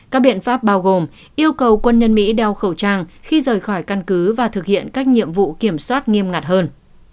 các biện pháp bao gồm yêu cầu quân nhân mỹ đeo khẩu trang khi rời khỏi căn cứ và thực hiện các nhiệm vụ kiểm soát nghiêm ngặt hơn